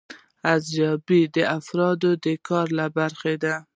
ارزیابي د افرادو د کار له برخې ده.